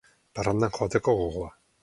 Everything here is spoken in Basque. Parrandan joateko gogoa.